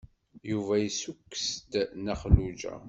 Yuba yessukkes-d Nna Xelluǧa.